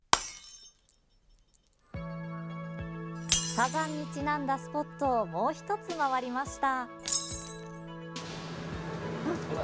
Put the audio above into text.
サザンにちなんだスポットを、もう１つ回りました。